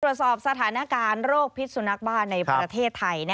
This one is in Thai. ตรวจสอบสถานการณ์โรคพิษสุนัขบ้านในประเทศไทย